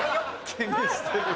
気にしてる。